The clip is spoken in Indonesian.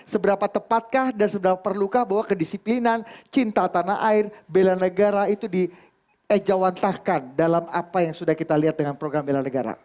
seberapa tepatkah dan seberapa perlukah bahwa kedisiplinan cinta tanah air bela negara itu diejawantahkan dalam apa yang sudah kita lihat dengan program bela negara